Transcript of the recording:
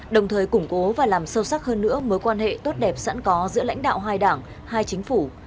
đồng thời củng cố và làm sâu sắc hơn nữa mối quan hệ tốt đẹp sẵn có giữa lãnh đạo hai đảng hai chính phủ